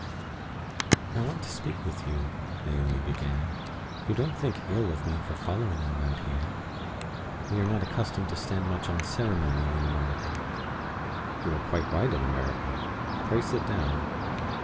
"I WANT to speak to you," Naomi began "You don't think ill of me for following you out here? We are not accustomed to stand much on ceremony in America." "You are quite right in America. Pray sit down."